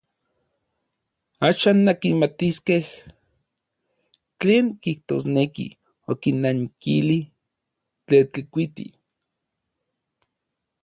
Axan nankimatiskej tlen kijtosneki, okinnankili Tetlikuiti.